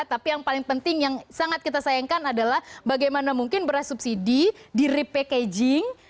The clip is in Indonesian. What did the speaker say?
tapi yang paling penting yang sangat kita sayangkan adalah bagaimana mungkin beras subsidi di repackaging